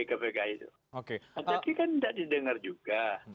tapi kan tidak didengar juga